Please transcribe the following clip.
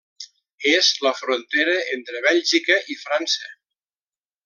És la frontera entre Bèlgica i França.